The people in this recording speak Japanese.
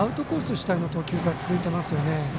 主体の投球が続いていますよね。